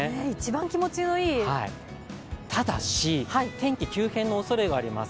天気急変のおそれがあります。